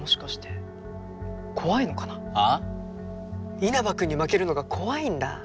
稲葉君に負けるのが怖いんだ。